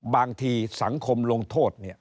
บางทีสังคมลงโทษ